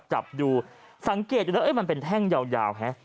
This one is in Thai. จับอยู่สังเกตมันเป็นแท่งยาว